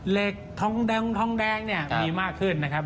เหล็กทองแดงมีมากขึ้นนะครับ